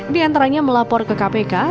di antaranya melapor ke kpk